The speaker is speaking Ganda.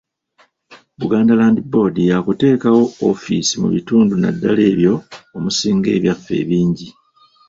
Buganda Land Board yakuteekawo ofiisi mu bitundu naddala ebyo omusinga "Ebyaffe" ebingi.